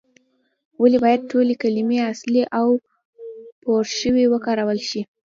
ولې باید ټولې کلمې اصلي او پورشوي وکارول شي؟